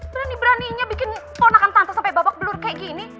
berani beraninya bikin ponakan tante sampai babak belur kayak gini